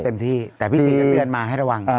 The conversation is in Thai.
เต็มที่แต่พี่ชีก็เตือนมาให้ระวัง